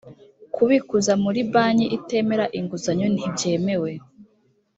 kubikuza muri banki itemera inguzanyo ntibyemewe